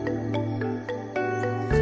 ketika dapur itu berfungsi